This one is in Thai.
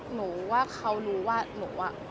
หนูว่าเขารู้ว่าหนูอะ